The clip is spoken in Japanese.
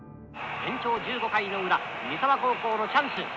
延長１５回の裏三沢高校のチャンス。